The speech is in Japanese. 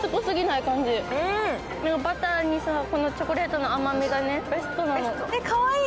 バターにこのチョコレートの甘みがベストなのかわいい。